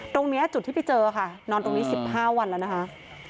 ตรงนี้จุดที่ไปเจอค่ะนอนตรงนี้๑๕วันแล้วนะคะ